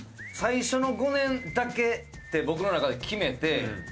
最初の５年だけって僕の中で決めて。